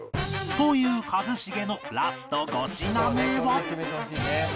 という一茂のラスト５品目は？